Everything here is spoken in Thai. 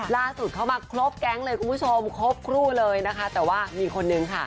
ล่าสุดเข้ามาครบแก๊งเลยคุณผู้ชมครบครู่เลยนะคะแต่ว่ามีคนนึงค่ะ